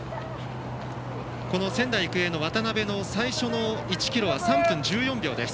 仙台育英の渡邉の最初の１ｋｍは３分１４秒です。